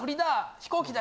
飛行機だ！